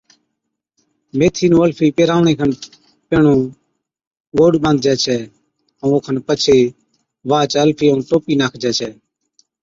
ميٿِي نُون الفِي پيھراوَڻي کن پيھڻُون گوڏ ٻانڌجَي ڇَي، ائُون اوکن پڇي واھچ الفِي ائُون ٽوپِي ناکجَي ڇَي